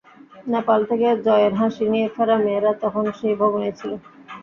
নেপাল থেকে জয়ের হাসি নিয়ে ফেরা মেয়েরা তখন সেই ভবনেই ছিল।